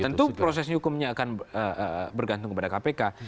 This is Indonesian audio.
tentu proses hukumnya akan bergantung kepada kpk